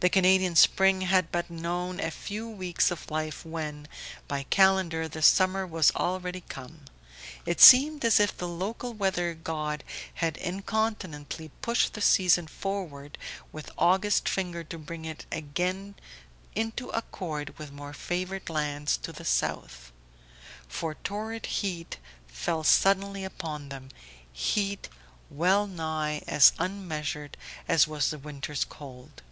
The Canadian spring had but known a few weeks of life when, by calendar, the summer was already come; it seemed as if the local weather god had incontinently pushed the season forward with august finger to bring it again into accord with more favoured lands to the south. For torrid heat fell suddenly upon them, heat well nigh as unmeasured as was the winter's cold.